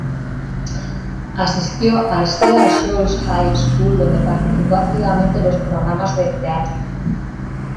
Asistió al Cedar Shoals High School, donde participó activamente en los programas de teatro.